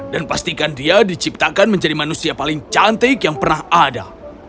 dan pastikan dia diciptakan menjadi manusia paling cantik yang pernah ada